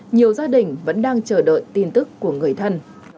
nhiều gia đình vẫn đang chờ đợi tin tức của người thân